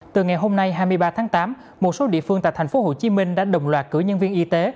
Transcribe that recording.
từ ngày hôm nay hai mươi ba tháng tám một số địa phương tại tp hcm đã đồng loạt cử nhân viên y tế